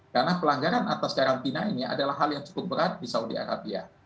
karena pelanggaran atas karantina ini adalah hal yang cukup berat di saudi arabia